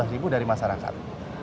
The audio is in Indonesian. dua belas ribu dari masyarakat